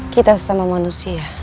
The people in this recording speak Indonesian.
kita sesama manusia